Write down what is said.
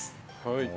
はい。